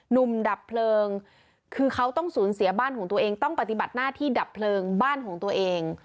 หนุ่มดับเพลิงคือเขาต้องสูญเสียบ้านของตัวเองต้องปฏิบัติหน้าที่ดับเพลิงบ้านของตัวเอง